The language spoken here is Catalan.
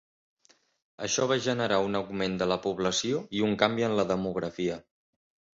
Això va generar un augment de la població i un canvi en la demografia.